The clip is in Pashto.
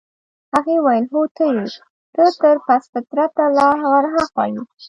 هغې وویل: هو ته يې، ته تر پست فطرته لا ورهاخوا يې.